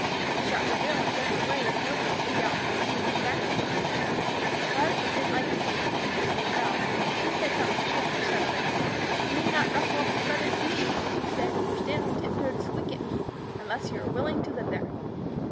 She shut her bill in such a way that nobody could doubt her meaning exactly what she said. Her husband didn't like the place particularly well, but she said something to him which settled it. "You need not ruffle up your feathers for me," she said, "or stand on tip toe to squeak at me, unless you are willing to live there."